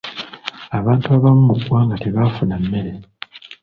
Abantu abamu mu ggwanga tebaafuna mmere.